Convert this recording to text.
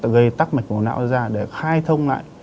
gây tắt mạch máu não ra để khai thông lại